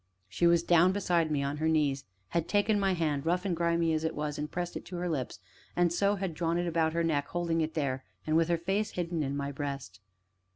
She was down beside me on her knees, had taken my hand, rough and grimy as it was, and pressed it to her lips, and so had drawn it about her neck, holding it there, and with her face hidden in my breast.